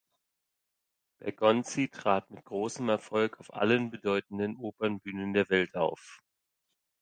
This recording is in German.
Bergonzi trat mit großem Erfolg auf allen bedeutenden Opernbühnen der Welt auf.